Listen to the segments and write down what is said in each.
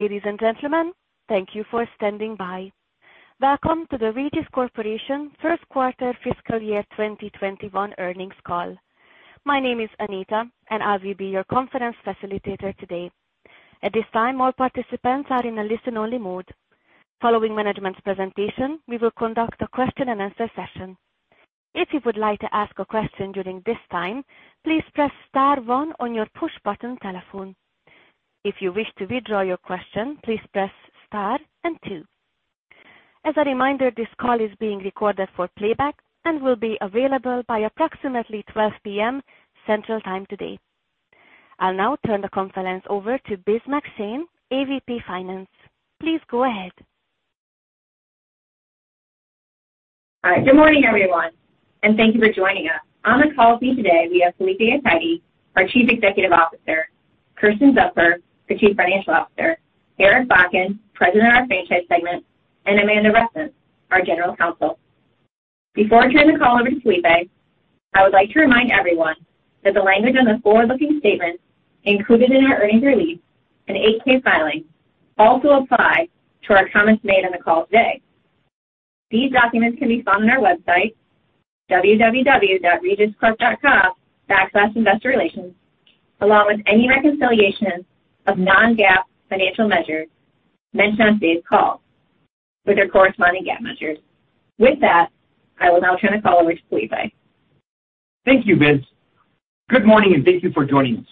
Ladies and gentlemen, thank you for standing by. Welcome to the Regis Corporation first quarter fiscal year 2021 earnings call. My name is Anita, and I will be your conference facilitator today. At this time, all participants are in a listen-only mode. Following management's presentation, we will conduct a question and answer session. If you would like to ask a question during this time, please press star one on your push button telephone. If you wish to withdraw your question, please press star and two. As a reminder, this call is being recorded for playback and will be available by approximately 12:00 P.M. Central Time today. I'll now turn the conference over to Biz McShane, AVP Finance. Please go ahead. All right. Good morning, everyone, and thank you for joining us. On the call with me today, we have Felipe Athayde, our Chief Executive Officer, Kersten Zupfer, the Chief Financial Officer, Eric Bakken, President of our Franchise segment, and Amanda Rusin, our General Counsel. Before I turn the call over to Felipe, I would like to remind everyone that the language in the forward-looking statements included in our earnings release and 8-K filing also apply to our comments made on the call today. These documents can be found on our website, www.regiscorp.com/investorrelations, along with any reconciliation of non-GAAP financial measures mentioned on today's call with their corresponding GAAP measures. With that, I will now turn the call over to Felipe. Thank you, Biz. Good morning, and thank you for joining us.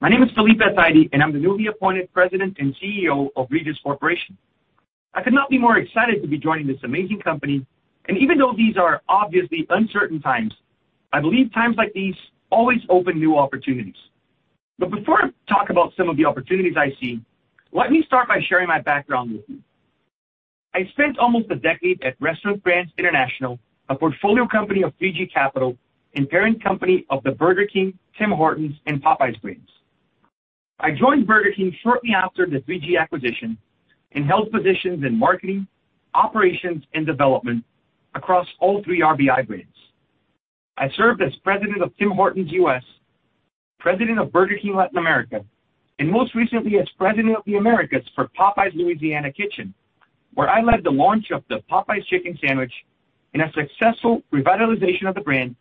My name is Felipe Athayde, and I'm the newly appointed President and CEO of Regis Corporation. I could not be more excited to be joining this amazing company, and even though these are obviously uncertain times, I believe times like these always open new opportunities. Before I talk about some of the opportunities I see, let me start by sharing my background with you. I spent almost a decade at Restaurant Brands International, a portfolio company of 3G Capital and parent company of the Burger King, Tim Hortons, and Popeyes brands. I joined Burger King shortly after the 3G acquisition and held positions in marketing, operations, and development across all three RBI brands. I served as president of Tim Hortons U.S., president of Burger King Latin America, and most recently as president of the Americas for Popeyes Louisiana Kitchen, where I led the launch of the Popeyes Chicken Sandwich in a successful revitalization of the brand,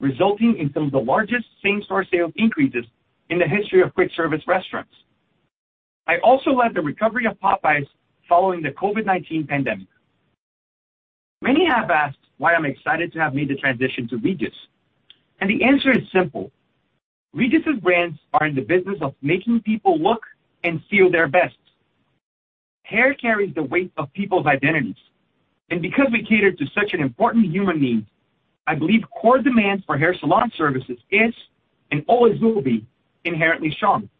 resulting in some of the largest same-store sales increases in the history of quick-service restaurants. I also led the recovery of Popeyes following the COVID-19 pandemic. Many have asked why I'm excited to have made the transition to Regis. The answer is simple. Regis's brands are in the business of making people look and feel their best. Hair carries the weight of people's identities, and because we cater to such an important human need, I believe core demand for hair salon services is, and always will be, inherently strong.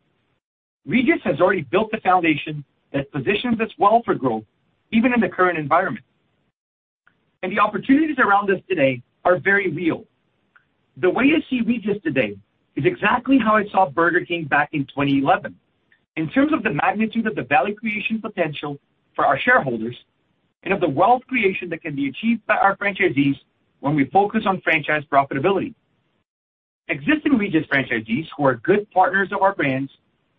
Regis has already built the foundation that positions us well for growth, even in the current environment. The opportunities around us today are very real. The way I see Regis today is exactly how I saw Burger King back in 2011 in terms of the magnitude of the value creation potential for our shareholders and of the wealth creation that can be achieved by our franchisees when we focus on franchise profitability. Existing Regis franchisees who are good partners of our brands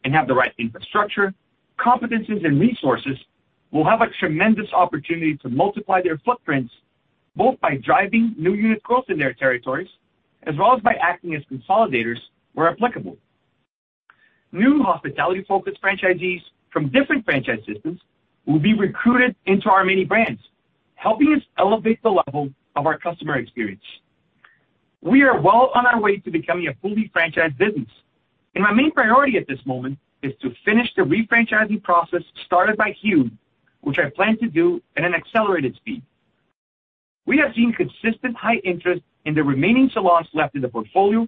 and have the right infrastructure, competencies, and resources will have a tremendous opportunity to multiply their footprints, both by driving new unit growth in their territories, as well as by acting as consolidators where applicable. New hospitality-focused franchisees from different franchise systems will be recruited into our many brands, helping us elevate the level of our customer experience. We are well on our way to becoming a fully franchised business, and my main priority at this moment is to finish the re-franchising process started by Hugh, which I plan to do at an accelerated speed. We have seen consistent high interest in the remaining salons left in the portfolio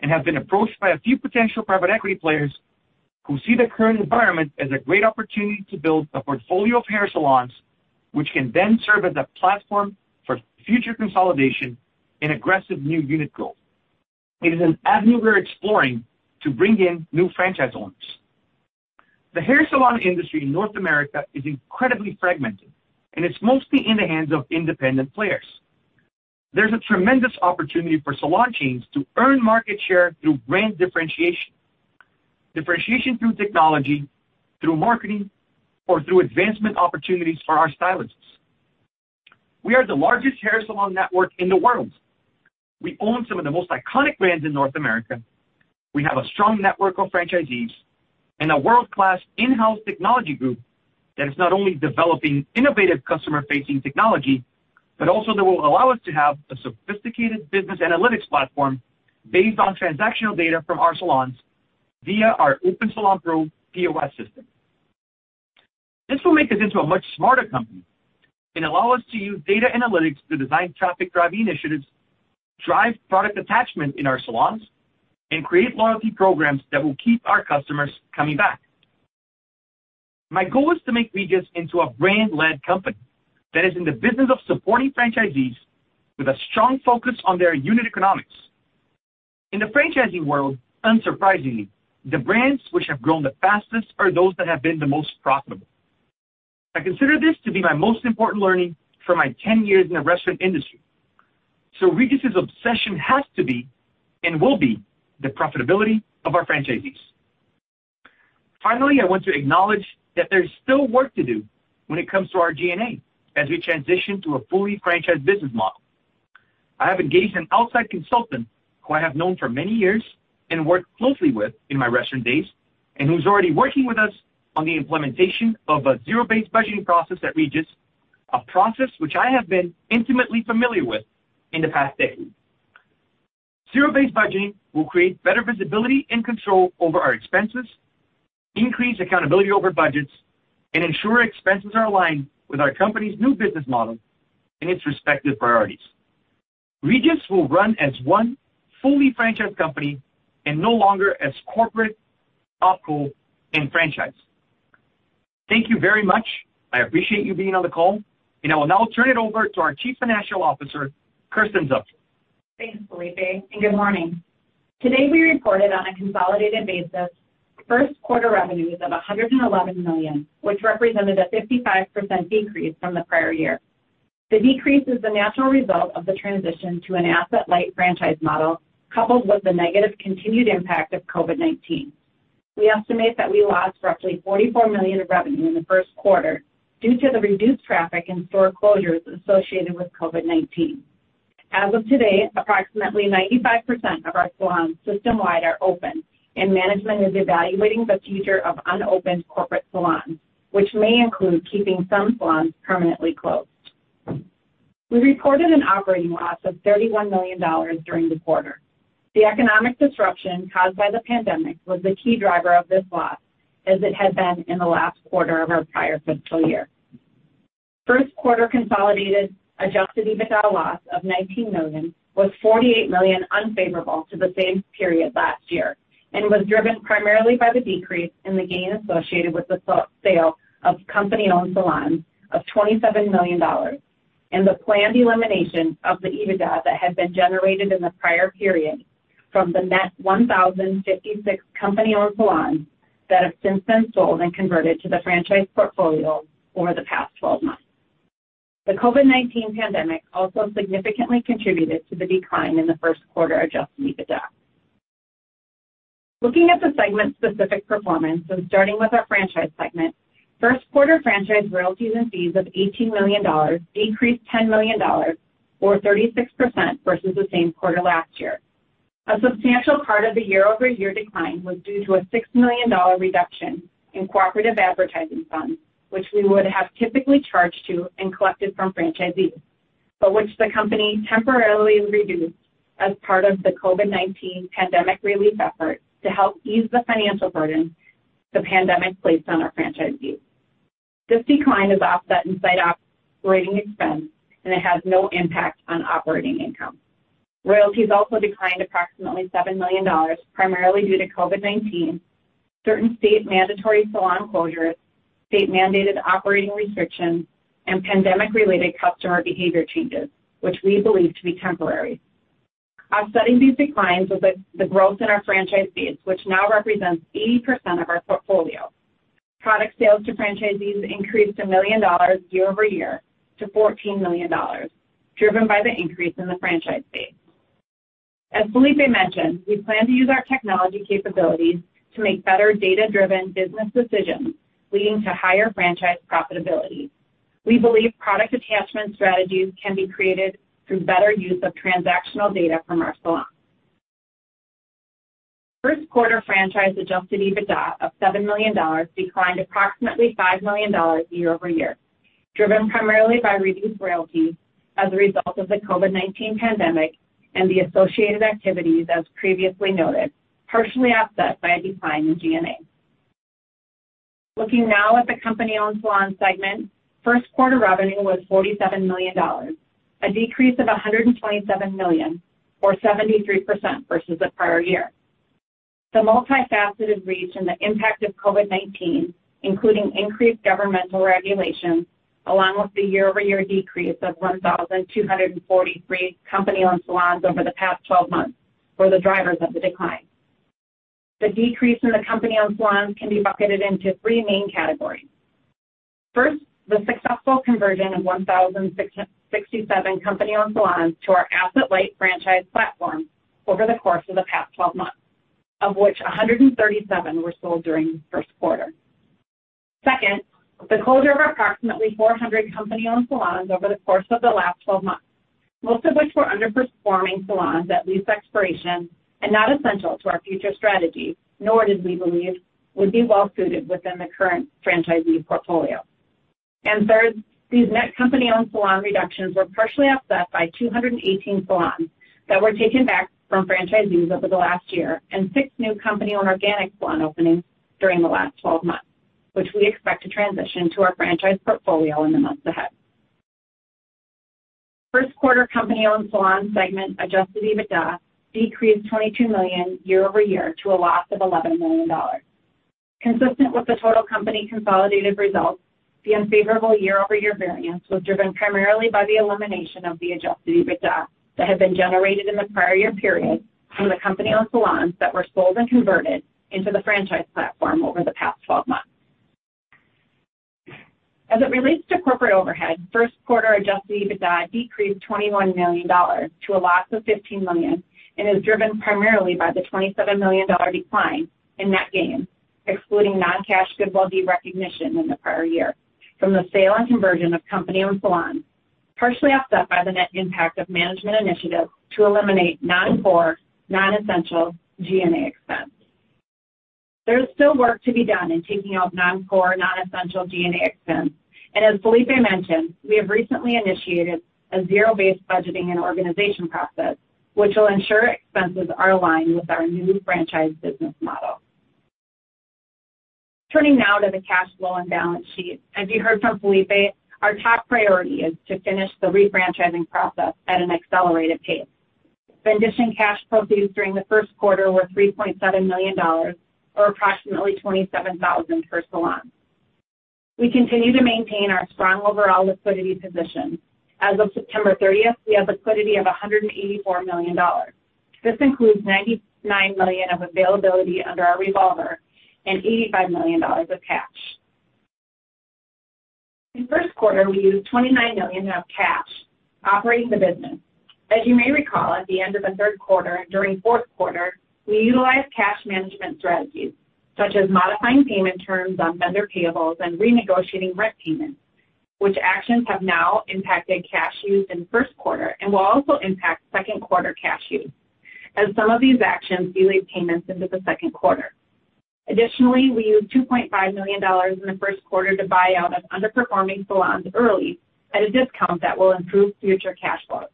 and have been approached by a few potential private equity players who see the current environment as a great opportunity to build a portfolio of hair salons, which can then serve as a platform for future consolidation and aggressive new unit growth. It is an avenue we are exploring to bring in new franchise owners. The hair salon industry in North America is incredibly fragmented, and it's mostly in the hands of independent players. There's a tremendous opportunity for salon chains to earn market share through brand differentiation. Differentiation through technology, through marketing, or through advancement opportunities for our stylists. We are the largest hair salon network in the world. We own some of the most iconic brands in North America. We have a strong network of franchisees and a world-class in-house technology group that is not only developing innovative customer-facing technology, but also that will allow us to have a sophisticated business analytics platform based on transactional data from our salons via our Opensalon Pro POS system. This will make us into a much smarter company and allow us to use data analytics to design traffic-driving initiatives, drive product attachment in our salons, and create loyalty programs that will keep our customers coming back. My goal is to make Regis into a brand-led company that is in the business of supporting franchisees with a strong focus on their unit economics. In the franchising world, unsurprisingly, the brands which have grown the fastest are those that have been the most profitable. I consider this to be my most important learning from my 10 years in the restaurant industry. Regis' obsession has to be, and will be, the profitability of our franchisees. Finally, I want to acknowledge that there's still work to do when it comes to our GA as we transition to a fully franchise business model. I have engaged an outside consultant who I have known for many years and worked closely with in my restaurant days, and who's already working with us on the implementation of a zero-based budgeting process at Regis, a process which I have been intimately familiar with in the past decade. Zero-based budgeting will create better visibility and control over our expenses, increase accountability over budgets, and ensure expenses are aligned with our company's new business model and its respective priorities. Regis will run as one fully franchised company and no longer as corporate, wholesale, and franchise. Thank you very much. I appreciate you being on the call, and I will now turn it over to our Chief Financial Officer, Kersten Zupfer. Thanks, Felipe. Good morning. Today we reported on a consolidated basis first quarter revenues of $111 million, which represented a 55% decrease from the prior year. The decrease is the natural result of the transition to an asset-light franchise model, coupled with the negative continued impact of COVID-19. We estimate that we lost roughly $44 million of revenue in the first quarter due to the reduced traffic and store closures associated with COVID-19. As of today, approximately 95% of our salons system-wide are open. Management is evaluating the future of unopened corporate salons, which may include keeping some salons permanently closed. We reported an operating loss of $31 million during the quarter. The economic disruption caused by the pandemic was the key driver of this loss, as it had been in the last quarter of our prior fiscal year. First quarter consolidated adjusted EBITDA loss of $19 million was $48 million unfavorable to the same period last year, and was driven primarily by the decrease in the gain associated with the sale of company-owned salons of $27 million, and the planned elimination of the EBITDA that had been generated in the prior period from the net 1,056 company-owned salons that have since been sold and converted to the franchise portfolio over the past 12 months. The COVID-19 pandemic also significantly contributed to the decline in the first quarter adjusted EBITDA. Looking at the segment-specific performance and starting with our franchise segment, first quarter franchise royalties and fees of $18 million decreased $10 million, or 36%, versus the same quarter last year. A substantial part of the year-over-year decline was due to a $6 million reduction in cooperative advertising funds, which we would have typically charged to and collected from franchisees, but which the company temporarily reduced as part of the COVID-19 pandemic relief effort to help ease the financial burden the pandemic placed on our franchisees. This decline is offset inside operating expense, and it has no impact on operating income. Royalties also declined approximately $7 million, primarily due to COVID-19, certain state mandatory salon closures, state-mandated operating restrictions, and pandemic-related customer behavior changes, which we believe to be temporary. Offsetting these declines was the growth in our franchise fees, which now represents 80% of our portfolio. Product sales to franchisees increased $1 million year-over-year to $14 million, driven by the increase in the franchise fee. As Felipe mentioned, we plan to use our technology capabilities to make better data-driven business decisions, leading to higher franchise profitability. We believe product attachment strategies can be created through better use of transactional data from our salons. First quarter franchise adjusted EBITDA of $7 million declined approximately $5 million year-over-year, driven primarily by reduced royalties as a result of the COVID-19 pandemic and the associated activities, as previously noted, partially offset by a decline in G&A. Looking now at the company-owned salon segment, first quarter revenue was $47 million, a decrease of $127 million, or 73%, versus the prior year. The multifaceted reach and the impact of COVID-19, including increased governmental regulations, along with the year-over-year decrease of 1,243 company-owned salons over the past 12 months, were the drivers of the decline. The decrease in the company-owned salons can be bucketed into three main categories. First, the successful conversion of 1,067 company-owned salons to our asset-light franchise platform over the course of the past 12 months, of which 137 were sold during the first quarter. Second, the closure of approximately 400 company-owned salons over the course of the last 12 months, most of which were underperforming salons at lease expiration and not essential to our future strategy, nor did we believe would be well-suited within the current franchisee portfolio. Third, these net company-owned salon reductions were partially offset by 218 salons that were taken back from franchisees over the last year and six new company-owned organic salon openings during the last 12 months, which we expect to transition to our franchise portfolio in the months ahead. First quarter company-owned salon segment adjusted EBITDA decreased $22 million year-over-year to a loss of $11 million. Consistent with the total company consolidated results, the unfavorable year-over-year variance was driven primarily by the elimination of the adjusted EBITDA that had been generated in the prior year period from the company-owned salons that were sold and converted into the franchise platform over the past 12 months. As it relates to corporate overhead, first quarter adjusted EBITDA decreased $21 million to a loss of $15 million, and is driven primarily by the $27 million decline in net gains, excluding non-cash goodwill derecognition in the prior year from the sale and conversion of company-owned salons, partially offset by the net impact of management initiatives to eliminate non-core, non-essential G&A expense. There is still work to be done in taking out non-core, non-essential G&A expense, and as Felipe mentioned, we have recently initiated a zero-based budgeting and organization process, which will ensure expenses are aligned with our new franchise business model. Turning now to the cash flow and balance sheet. As you heard from Felipe, our top priority is to finish the re-franchising process at an accelerated pace. Vendition cash proceeds during the first quarter were $3.7 million, or approximately $27,000 per salon. We continue to maintain our strong overall liquidity position. As of September 30th, we have liquidity of $184 million. This includes $99 million of availability under our revolver and $85 million of cash. In first quarter, we used $29 million of cash operating the business. As you may recall, at the end of the third quarter and during fourth quarter, we utilized cash management strategies, such as modifying payment terms on vendor payables and renegotiating rent payments, which actions have now impacted cash used in first quarter and will also impact second quarter cash use, as some of these actions delayed payments into the second quarter. Additionally, we used $2.5 million in the first quarter to buy out of underperforming salons early at a discount that will improve future cash flows.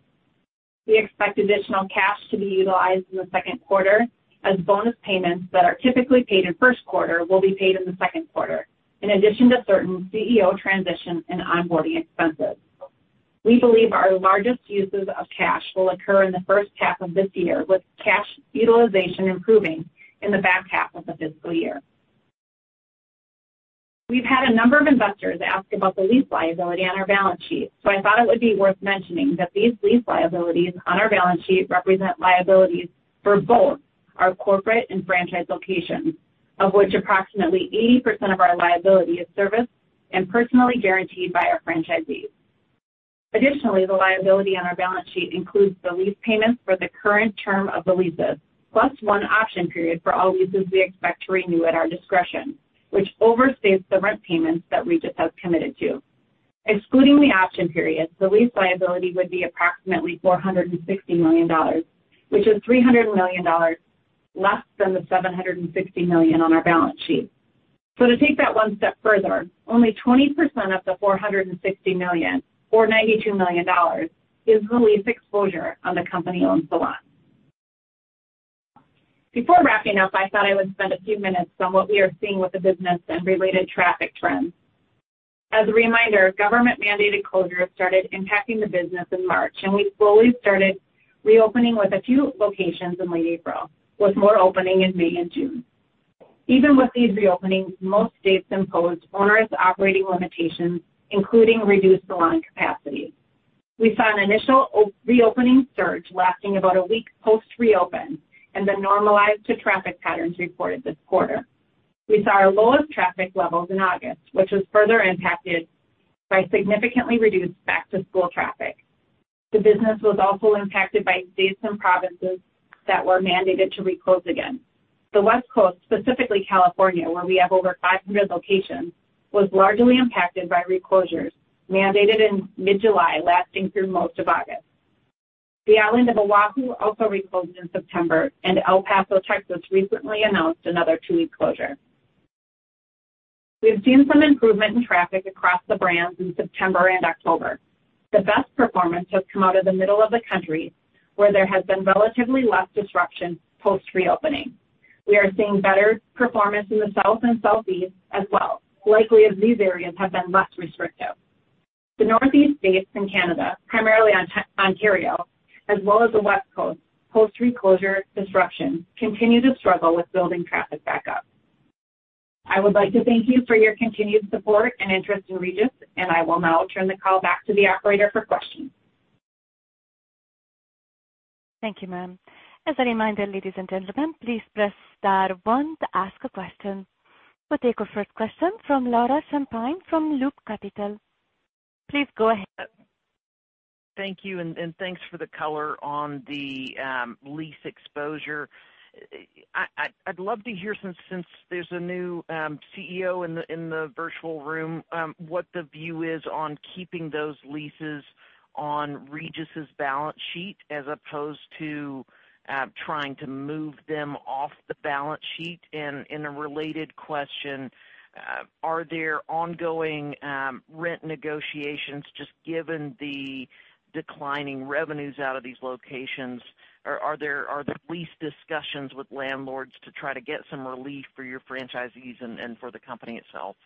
We expect additional cash to be utilized in the second quarter as bonus payments that are typically paid in first quarter will be paid in the second quarter, in addition to certain CEO transition and onboarding expenses. We believe our largest uses of cash will occur in the first half of this year, with cash utilization improving in the back half of the fiscal year. We've had a number of investors ask about the lease liability on our balance sheet, so I thought it would be worth mentioning that these lease liabilities on our balance sheet represent liabilities for both our corporate and franchise locations, of which approximately 80% of our liability is serviced and personally guaranteed by our franchisees. Additionally, the liability on our balance sheet includes the lease payments for the current term of the leases, plus one option period for all leases we expect to renew at our discretion, which overstates the rent payments that Regis has committed to. Excluding the option periods, the lease liability would be approximately $460 million, which is $300 million less than the $760 million on our balance sheet. To take that one step further, only 20% of the $460 million, or $92 million, is the lease exposure on the company-owned salons. Before wrapping up, I thought I would spend a few minutes on what we are seeing with the business and related traffic trends. As a reminder, government-mandated closures started impacting the business in March, and we slowly started reopening with a few locations in late April, with more opening in May and June. Even with these reopenings, most states imposed onerous operating limitations, including reduced salon capacity. We saw an initial reopening surge lasting about a week post reopen, and then normalized to traffic patterns reported this quarter. We saw our lowest traffic levels in August, which was further impacted by significantly reduced back-to-school traffic. The business was also impacted by states and provinces that were mandated to re-close again. The West Coast, specifically California, where we have over 500 locations, was largely impacted by re-closures mandated in mid-July, lasting through most of August. The island of Oahu also re-closed in September, and El Paso, Texas, recently announced another two-week closure. We've seen some improvement in traffic across the brands in September and October. The best performance has come out of the middle of the country, where there has been relatively less disruption post reopening. We are seeing better performance in the South and Southeast as well, likely as these areas have been less restrictive. The Northeast states and Canada, primarily Ontario, as well as the West Coast, post re-closure disruption, continue to struggle with building traffic back up. I would like to thank you for your continued support and interest in Regis, I will now turn the call back to the operator for questions. Thank you, ma'am. As a reminder, ladies and gentlemen, please press star one to ask a question. We'll take our first question from Laura Champine from Loop Capital. Please go ahead. Thank you. Thanks for the color on the lease exposure. I'd love to hear, since there's a new CEO in the virtual room, what the view is on keeping those leases on Regis' balance sheet as opposed to trying to move them off the balance sheet. In a related question, are there ongoing rent negotiations, just given the declining revenues out of these locations? Are there lease discussions with landlords to try to get some relief for your franchisees and for the company itself?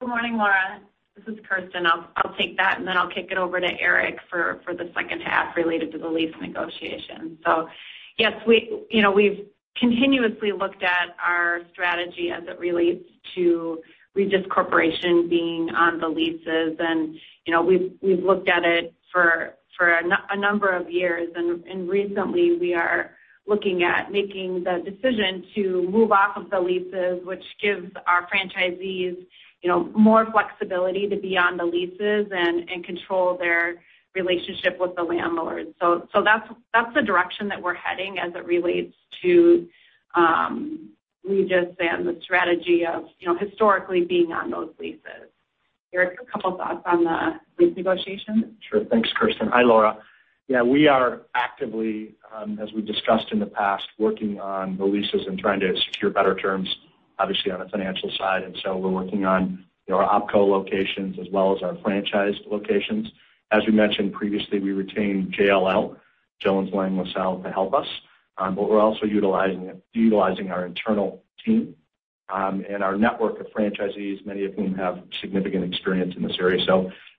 Good morning, Laura. This is Kersten. I'll take that. Then I'll kick it over to Eric for the second half related to the lease negotiation. Yes, we've continuously looked at our strategy as it relates to Regis Corporation being on the leases. We've looked at it for a number of years, and recently we are looking at making the decision to move off of the leases, which gives our franchisees more flexibility to be on the leases and control their relationship with the landlords. That's the direction that we're heading as it relates to Regis and the strategy of historically being on those leases. Eric, a couple thoughts on the lease negotiation. Sure. Thanks, Kersten. Hi, Laura. We are actively, as we discussed in the past, working on the leases and trying to secure better terms, obviously on a financial side. We're working on our OpCo locations as well as our franchise locations. As we mentioned previously, we retained JLL, Jones Lang LaSalle, to help us. We're also utilizing our internal team, and our network of franchisees, many of whom have significant experience in this area.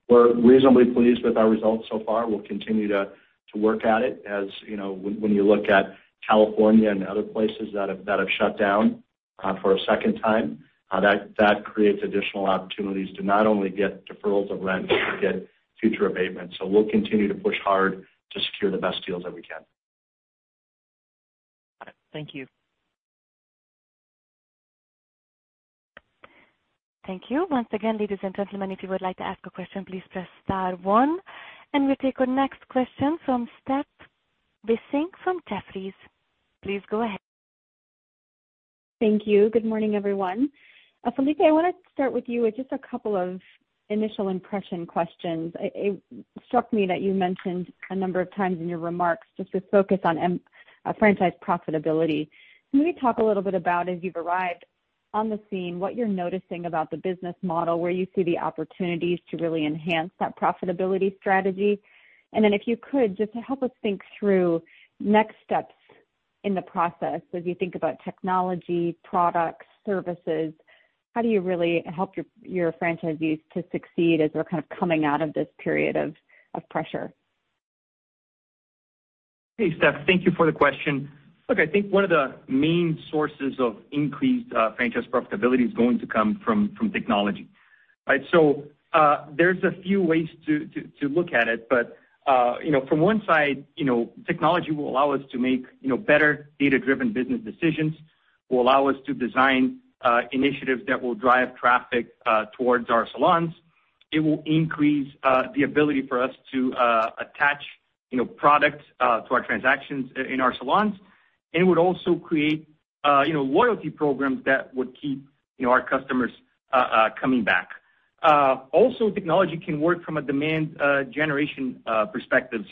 We're reasonably pleased with our results so far. We'll continue to work at it. As when you look at California and other places that have shut down for a second time, that creates additional opportunities to not only get deferrals of rent but to get future abatements. We'll continue to push hard to secure the best deals that we can. Got it. Thank you. Thank you. Once again, ladies and gentlemen, if you would like to ask a question, please press star one. We take our next question from Stephanie Wissink from Jefferies. Please go ahead. Thank you. Good morning, everyone. Felipe, I wanted to start with you with just a couple of initial impression questions. It struck me that you mentioned a number of times in your remarks just this focus on franchise profitability. Can you talk a little bit about, as you've arrived on the scene, what you're noticing about the business model, where you see the opportunities to really enhance that profitability strategy? Then if you could, just help us think through next steps in the process. As you think about technology, products, services, how do you really help your franchisees to succeed as they're kind of coming out of this period of pressure? Hey, Steph, thank you for the question. Look, I think one of the main sources of increased franchise profitability is going to come from technology, right? There's a few ways to look at it. From one side, technology will allow us to make better data-driven business decisions, will allow us to design initiatives that will drive traffic towards our salons. It will increase the ability for us to attach products to our transactions in our salons. It would also create loyalty programs that would keep our customers coming back. Also, technology can work from a demand generation perspective.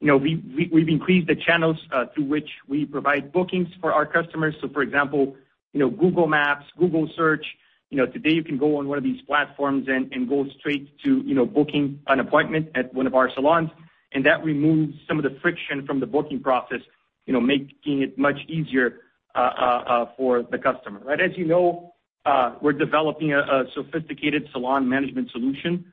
We've increased the channels through which we provide bookings for our customers. For example, Google Maps, Google Search, today you can go on one of these platforms and go straight to booking an appointment at one of our salons. That removes some of the friction from the booking process, making it much easier for the customer. As you know, we're developing a sophisticated salon management solution,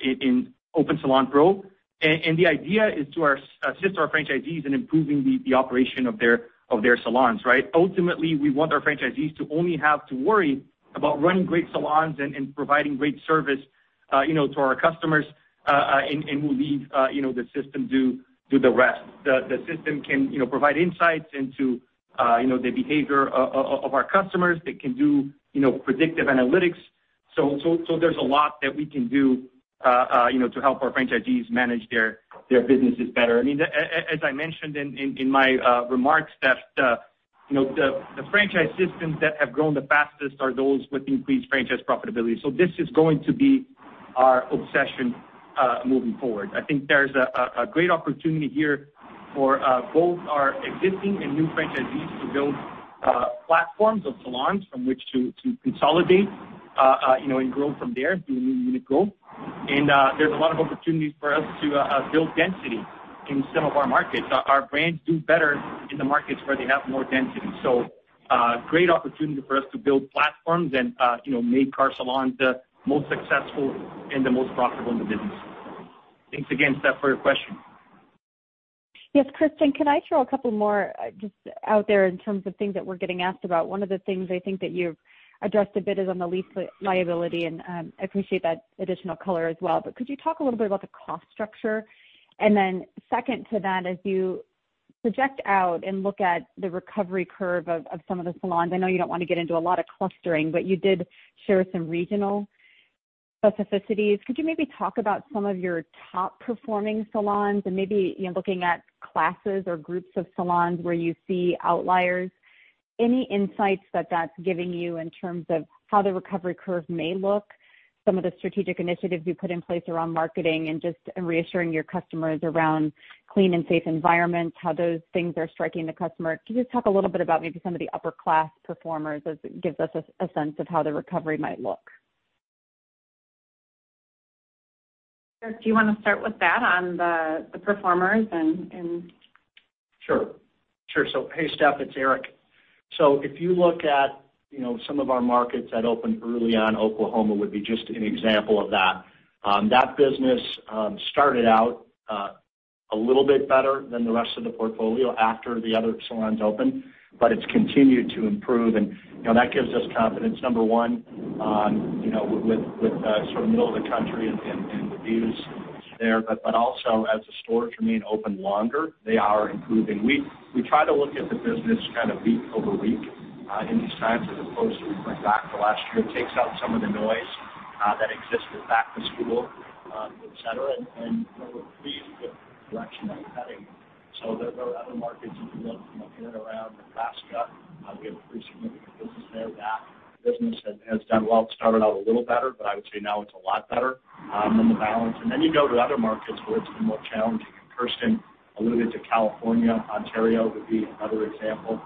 in Opensalon Pro. The idea is to assist our franchisees in improving the operation of their salons, right? Ultimately, we want our franchisees to only have to worry about running great salons and providing great service to our customers, and we'll leave the system do the rest. The system can provide insights into the behavior of our customers. It can do predictive analytics. There's a lot that we can do to help our franchisees manage their businesses better. As I mentioned in my remarks, Steph, the franchise systems that have grown the fastest are those with increased franchise profitability. This is going to be our obsession moving forward. I think there's a great opportunity here for both our existing and new franchisees to build platforms of salons from which to consolidate, and grow from there through new unit growth. There's a lot of opportunities for us to build density in some of our markets. Our brands do better in the markets where they have more density. Great opportunity for us to build platforms and make our salons the most successful and the most profitable in the business. Thanks again, Steph, for your question. Yes, Kersten, can I throw a couple more just out there in terms of things that we're getting asked about? One of the things I think that you've addressed a bit is on the lease liability, and I appreciate that additional color as well, but could you talk a little bit about the cost structure? Second to that, as you project out and look at the recovery curve of some of the salons, I know you don't want to get into a lot of clustering, but you did share some regional specificities. Could you maybe talk about some of your top-performing salons and maybe looking at classes or groups of salons where you see outliers? Any insights that that's giving you in terms of how the recovery curve may look, some of the strategic initiatives you put in place around marketing and just reassuring your customers around clean and safe environments, how those things are striking the customer. Can you just talk a little bit about maybe some of the upper-quartile performers as it gives us a sense of how the recovery might look? Eric, do you want to start with that on the performers and? Sure. Hey, Steph, it's Eric. If you look at some of our markets that opened early on, Oklahoma would be just an example of that. That business started out a little bit better than the rest of the portfolio after the other salons opened, but it's continued to improve, and that gives us confidence, number one, with sort of middle of the country and reviews there. Also as the stores remain open longer, they are improving. We try to look at the business kind of week-over-week in these times as opposed to going back to last year. It takes out some of the noise that exists with back to school, et cetera, and we're pleased with the direction that we're heading. There are other markets if you look in and around Nebraska, we have a pretty significant business there. That business has done well. It started out a little better, but I would say now it's a lot better than the balance. Then you go to other markets where it's been more challenging, and Kersten alluded to California. Ontario would be another example.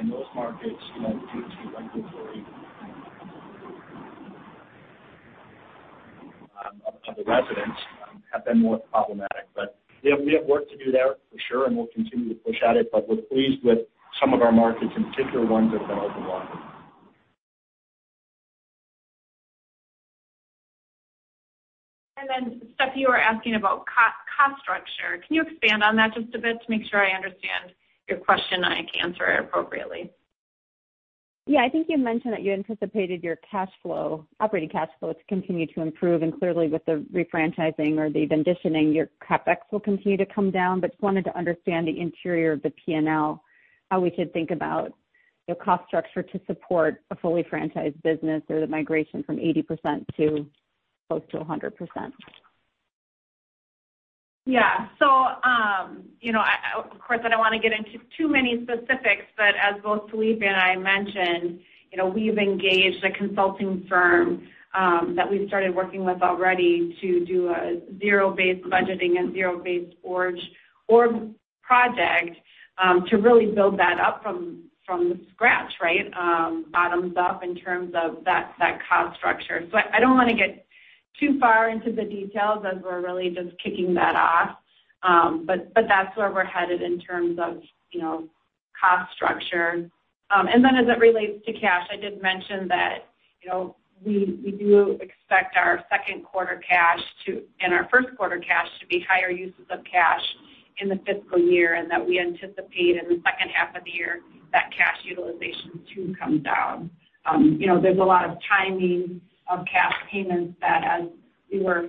In those markets, due to regulatory of the residents have been more problematic. We have work to do there for sure, and we'll continue to push at it, but we're pleased with some of our markets, in particular, ones that have been open longer. Steph, you were asking about cost structure. Can you expand on that just a bit to make sure I understand your question and I can answer it appropriately? Yeah. I think you mentioned that you anticipated your operating cash flow to continue to improve, and clearly with the re-franchising or the renditioning, your CapEx will continue to come down. Just wanted to understand the interior of the P&L, how we should think about your cost structure to support a fully franchised business or the migration from 80% to close to 100%. Yeah. Of course, I don't want to get into too many specifics, but as both Felipe and I mentioned, we've engaged a consulting firm that we've started working with already to do a zero-based budgeting and zero-based org project to really build that up from scratch, right? Bottoms up in terms of that cost structure. I don't want to get too far into the details as we're really just kicking that off. That's where we're headed in terms of cost structure. As it relates to cash, I did mention that we do expect our second quarter cash and our first quarter cash to be higher uses of cash in the fiscal year, and that we anticipate in the second half of the year that cash utilization too comes down. There's a lot of timing of cash payments that as we were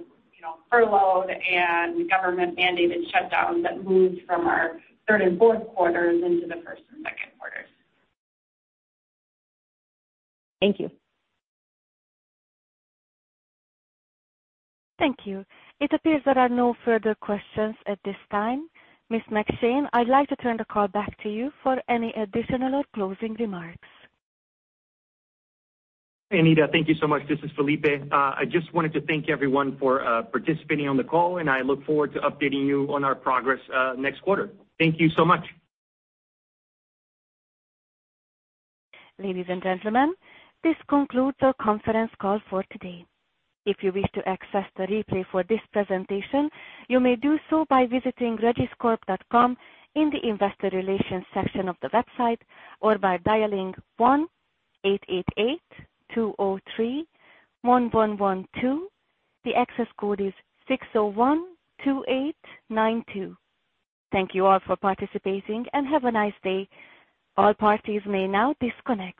furloughed and government-mandated shutdowns that moved from our third and fourth quarters into the first and second quarters. Thank you. Thank you. It appears there are no further questions at this time. Ms. McShane, I'd like to turn the call back to you for any additional or closing remarks. Anita, thank you so much. This is Felipe. I just wanted to thank everyone for participating on the call, and I look forward to updating you on our progress next quarter. Thank you so much. Ladies and gentlemen, this concludes our conference call for today. If you wish to access the replay for this presentation, you may do so by visiting regiscorp.com in the investor relations section of the website or by dialing 1-888-203-1112. The access code is 6012892. Thank you all for participating and have a nice day. All parties may now disconnect.